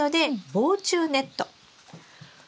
防虫ネット？